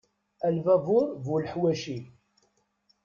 A lbabur bu leḥwaci!